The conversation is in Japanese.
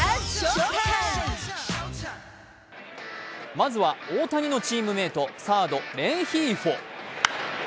まずは大谷のチームメートサード・レンヒーフォ。